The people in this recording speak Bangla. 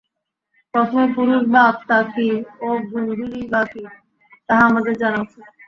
প্রথমে পুরুষ বা আত্মা কী ও গুণগুলিই বা কী, তাহা আমাদের জানা উচিত।